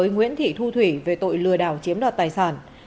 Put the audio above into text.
nguyễn thị thu thủy về tội lừa đảo chiếm đoạt tài sản